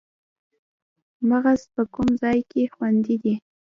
مغز په کوم ځای کې خوندي دی